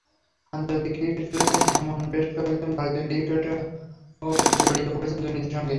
আন্তর্জাতিক ক্রিকেট খেলেছেন এমন বেশ কয়েকজন ভারতীয় ক্রিকেটারও জড়িয়ে পড়েছেন দুর্নীতির সঙ্গে।